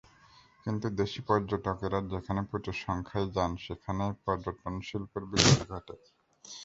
কিন্তু দেশি পর্যটকেরা যেখানে প্রচুর সংখ্যায় যান, সেখানেই পর্যটনশিল্পের বিকাশ ঘটে।